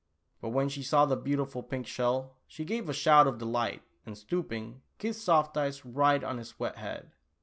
But when she saw the beautiful pink shell, she gave a shout of delight, and stooping, kissed Soft Eyes right on his wet head.